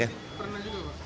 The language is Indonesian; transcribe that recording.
pernah juga pak